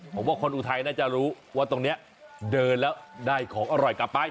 ผมว่าคนอุทัยน่าจะรู้ว่าตรงนี้เดินแล้วได้ของอร่อยกลับไป